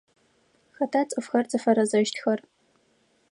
Хэта цӏыфхэр зыфэрэзэщтхэр?